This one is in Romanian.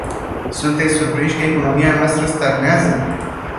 Sunteți surprinși că economia noastră stagnează?